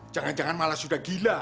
jangan jangan malah sudah gila